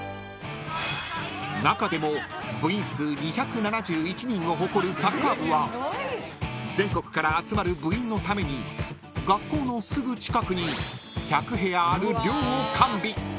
［中でも部員数２７１人を誇るサッカー部は全国から集まる部員のために学校のすぐ近くに１００部屋ある寮を完備］